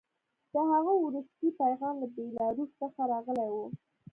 د هغه وروستی پیغام له بیلاروس څخه راغلی و